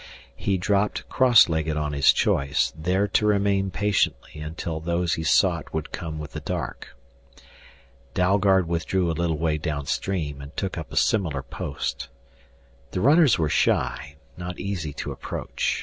He dropped cross legged on his choice, there to remain patiently until those he sought would come with the dark. Dalgard withdrew a little way downstream and took up a similar post. The runners were shy, not easy to approach.